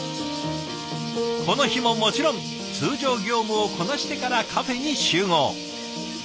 この日ももちろん通常業務をこなしてからカフェに集合。